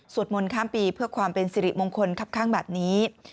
มนต์ข้ามปีเพื่อความเป็นสิริมงคลครับข้างแบบนี้